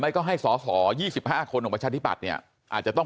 ไม่ก็ให้สหยี่สิบห้าคนของประชาธิปัตย์เนี่ยอาจจะต้อง